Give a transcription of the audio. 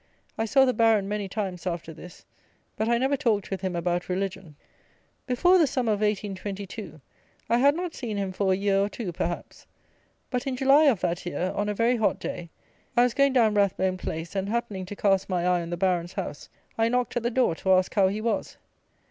I saw the Baron many times after this, but I never talked with him about religion. Before the summer of 1822, I had not seen him for a year or two, perhaps. But, in July of that year, on a very hot day, I was going down Rathbone Place, and, happening to cast my eye on the Baron's house, I knocked at the door to ask how he was.